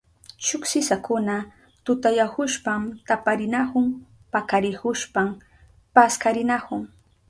Shuk sisakuna tutayahushpan taparinahun pakarihushpan paskarinahun.